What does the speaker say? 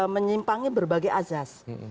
menyimpangin berbagai azas